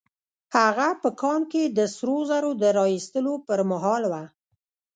هغه په کان کې د سرو زرو د را ايستلو پر مهال وه.